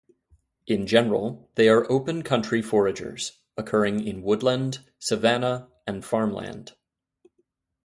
In general they are open country foragers, occurring in woodland, savanna and farmland.